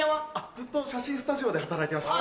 ずっと写真スタジオで働いてました。